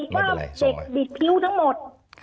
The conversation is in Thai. ว่าเด็กบิดคิ้วทั้งหมด